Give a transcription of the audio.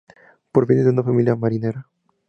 Proviene de una familia marinera.